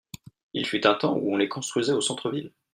Il fut un temps où on les construisait au centre des villes.